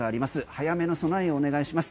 早めの備えをお願いします。